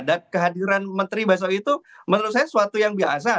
dan kehadiran menteri besok itu menurut saya suatu yang biasa